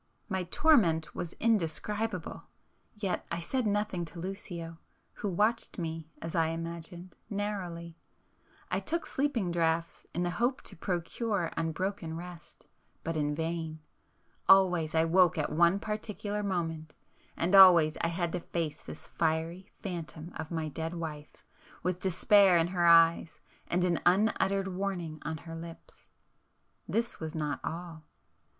My torment was indescribable,—yet I said nothing to Lucio, who watched me, as I imagined, narrowly,—I took sleeping draughts in the hope to procure unbroken rest, but in vain,—always I woke at one particular moment, and always I had to face this fiery phantom of my dead wife, with despair in her eyes and an unuttered warning on her lips. This was not all.